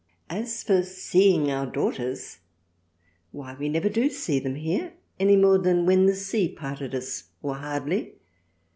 As for seeing our Daughters why we never do see them here, any more than when the Sea parted us, or hardly.